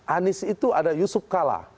anies itu ada yusuf kala